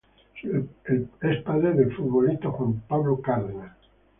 Es padre del futbolista Juan Pablo Cárdenas.